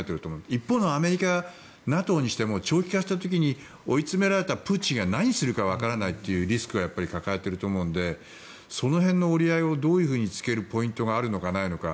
一方のアメリカ、ＮＡＴＯにしても長期化した時に追い詰められたプーチンが何するかわからないというリスクはやっぱり抱えていると思うので、そこら辺の折り合いをどういうふうにつけるポイントがあるのかないのか。